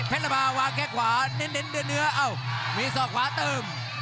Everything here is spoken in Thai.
เพลรภาว่างแค่ขวาเรียนเรือนเนื้อเอามีศอกขวาเติม